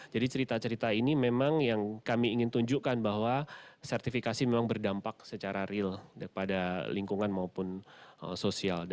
jadi cerita cerita ini memang yang kami ingin tunjukkan bahwa sertifikasi memang berdampak secara real pada lingkungan maupun sosial